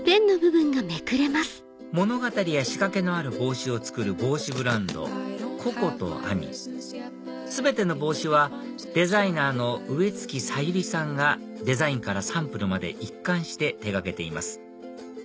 物語や仕掛けのある帽子を作る帽子ブランドＣｏｃｏ＆Ａｍｉ全ての帽子はデザイナーの植月沙由理さんがデザインからサンプルまで一貫して手掛けています